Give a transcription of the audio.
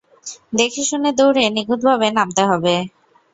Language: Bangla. দেখে - শুনে দৌড়ে নিখুঁতভাবে নামতে হবে।